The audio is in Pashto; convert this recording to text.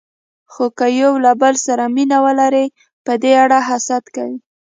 خو که یو له بل سره مینه ولري، په دې اړه حسد کوي.